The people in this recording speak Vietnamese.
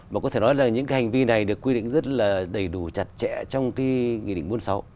mà có thể nói là những cái hành vi này được quy định rất là đầy đủ chặt chẽ trong cái nghị định bốn mươi sáu